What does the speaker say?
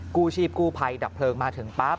กู้ชีพกู้ภัยดับเพลิงมาถึงปั๊บ